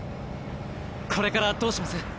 これからどうします？